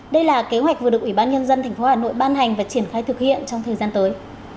đây là kế hoạch vừa được ủy ban nhân dân tp hà nội ban hành và triển khai thực hiện trong thời gian tới